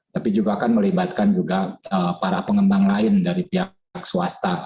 tapi juga akan melibatkan juga para pengembang lain dari pihak pihak swasta